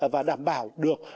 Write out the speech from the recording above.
và đảm bảo được